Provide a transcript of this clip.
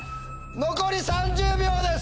残り３０秒です！